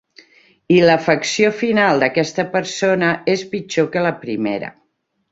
I l"afecció final d"aquesta persona és pitjor que la primera.